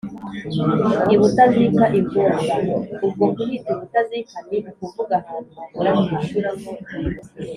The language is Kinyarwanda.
i butazika: i rwoga ubwo kuhita i butazika ni ukuvuga ahantu hahora hejuru